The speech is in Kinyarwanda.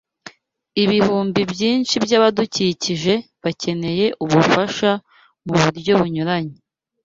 Ibihumbi byinshi by’abadukikije bakeneye ubufasha mu buryo bunyuranye